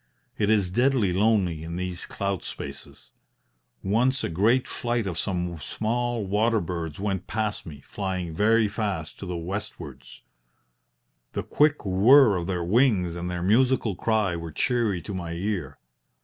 It is deadly lonely in these cloud spaces. Once a great flight of some small water birds went past me, flying very fast to the westwards. The quick whirr of their wings and their musical cry were cheery to my ear.